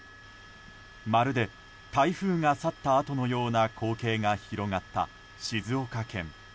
まるで台風が去ったあとのような光景が広がった静岡県。